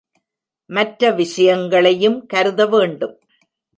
மற்ற விஷயங்களையும் கருத வேண்டும்.